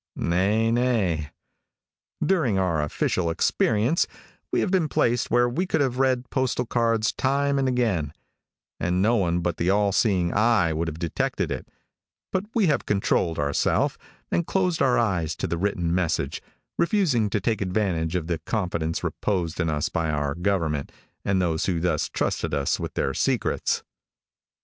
Hay, nay. During our official experience we have been placed where we could have read postal cards time and again, and no one but the All seeing Eye would have detected it; but we have controlled ourself and closed our eyes to the written message, refusing to take advantage of the confidence reposed in us by our government, and those who thus trusted us with their secrets.